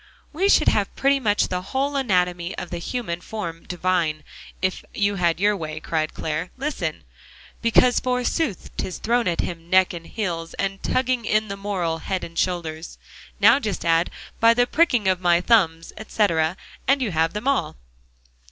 "We should have pretty much the whole anatomy of the human form divine, if you had your way," cried Clare. "Listen! "'Because, forsooth, 'tis thrown at him, neck and heels' and 'Tugging in the moral, head and shoulders.' Now just add 'by the pricking of my thumbs,' etc., and you have them all."